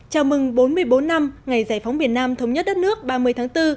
chào mừng bốn mươi bốn năm ngày giải phóng miền nam thống nhất đất nước ba mươi tháng bốn